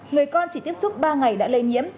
người con chỉ tiếp xúc ba ngày đã lây nhiễm